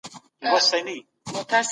هغه باورونه چې موږ یې لرو زموږ هویت دی.